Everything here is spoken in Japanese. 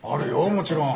もちろん。